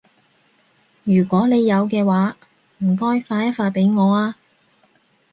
如果你有嘅話，唔該發一發畀我啊